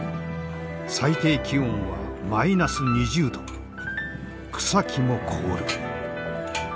最低気温はマイナス２０度草木も凍る。